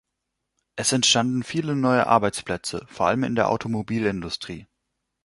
Es entstanden viele neue Arbeitsplätze, vor allem in der Automobilindustrie.